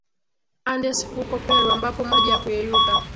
Andes huko Peru ambapo maji ya kuyeyuka